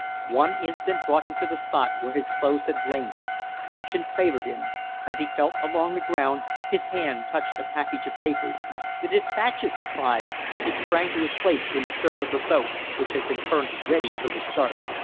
One instant brought him to the spot where his clothes had lain. Fortune favored him. As he felt along the ground, his hand touched a package of papers. "The dispatches!" he cried, as he sprang to his place in the stern of the boat, which had been turned ready for the start.